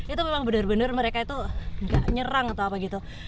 itu memang benar benar mereka itu nggak nyerang atau apa gitu